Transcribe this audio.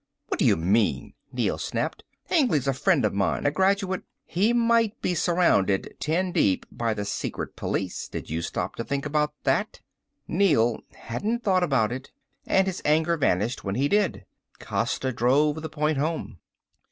"What do you mean!" Neel snapped. "Hengly's a friend of mine, a graduate " "He might also be surrounded ten deep by the secret police. Did you stop to think about that?" Neel hadn't thought about it, and his anger vanished when he did. Costa drove the point home.